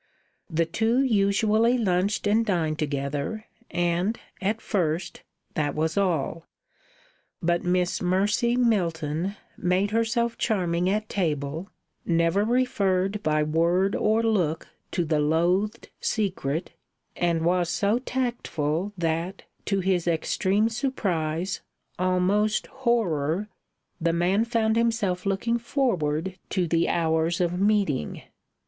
The two usually lunched and dined together, and at first that was all. But Miss Mercy Milton made herself charming at table, never referred by word or look to the loathed secret, and was so tactful that, to his extreme surprise, almost horror, the man found himself looking forward to the hours of meeting.